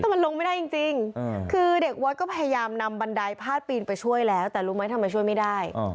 มันลงไม่ได้จริงคือเด็กวัดก็พยายามนำบันไดพาดปีนไปช่วยแล้วแต่รู้ไหมทำไมช่วยไม่ได้